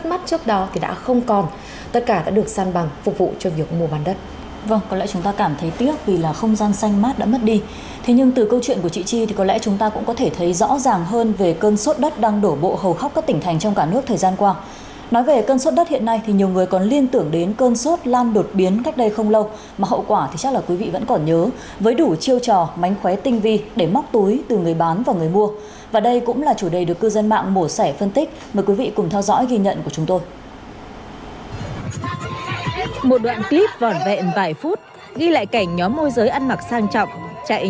một đoạn clip vỏn vẹn vài phút ghi lại cảnh nhóm môi giới ăn mặc sang trọng chạy nhốn nháo lại qua để chốt cọc bán đất cho khách vừa lan truyền chóng mặt trên mạng xã hội